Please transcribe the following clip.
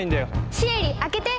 シエリ開けて！